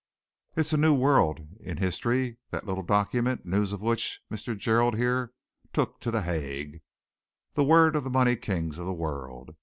It's a new word in history, that little document, news of which Mr. Gerald here took to The Hague, the word of the money kings of the world.